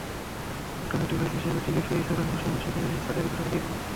Electronics device হিসেবে TV, fridge, oven, washing machine কিনলে ছাড়ের ঘোষণা দিয়েছে প্রতিষ্ঠানটি।